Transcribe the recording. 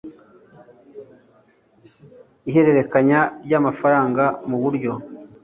ihererekanya ry amafaranga mu buryo